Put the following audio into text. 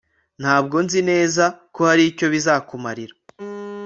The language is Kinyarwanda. Ntabwo nzi neza ko hari icyo bizakumarira